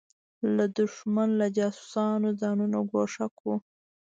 له دښمن له جاسوسانو ځانونه ګوښه کړو.